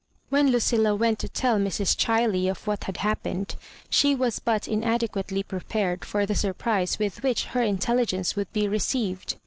When Lucilla went to tell Mrs. Ohiley of what had happened, she was but inade quately prepared for the surprise with which her intelligence would be received.